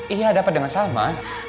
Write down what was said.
iya ada apa dengan salma